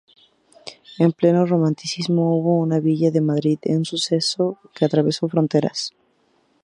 En pleno Romanticismo, hubo en la villa de Madrid un suceso que atravesó fronteras.